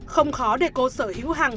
không khó để cô sở hữu hàng